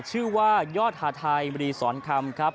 ชื่อว่ายอดหาทัยรีสอนคำครับ